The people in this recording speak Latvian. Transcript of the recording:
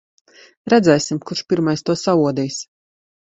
Redzēsim, kurš pirmais to saodīs.